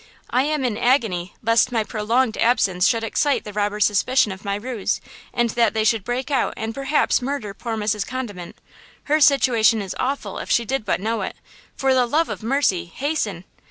I am in agony lest my prolonged absence should excite the robbers' suspicion of my ruse, and that they should break out and perhaps murder poor Mrs. Condiment. Her situation is awful, if she did but know it! For the love of mercy, hasten!"